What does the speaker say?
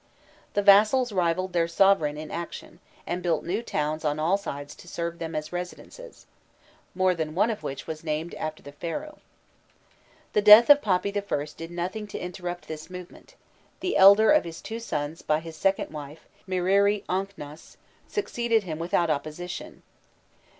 The vassals rivalled their sovereign in activity, and built new towns on all sides to serve them as residences, more than one of which was named after the Pharaoh. The death of Papi I. did nothing to interrupt this movement; the elder of his two sons by his second wife, Mirirî ônkhnas, succeeded him without opposition.